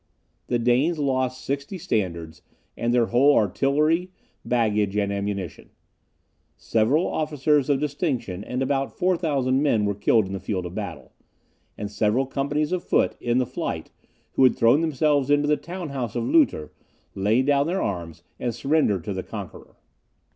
The Danes lost sixty standards, and their whole artillery, baggage, and ammunition. Several officers of distinction and about 4,000 men were killed in the field of battle; and several companies of foot, in the flight, who had thrown themselves into the town house of Lutter, laid down their arms and surrendered to the conqueror.